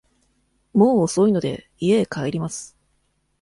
もう遅いので、家へ帰ります。